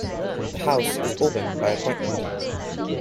The house is open by appointment.